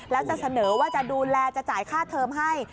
แล้วจะเสนอว่าจะดูแลจะจ่ายค่าเทอมให้